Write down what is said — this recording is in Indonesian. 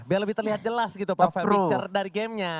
biar lebih terlihat jelas gitu picture dari gamenya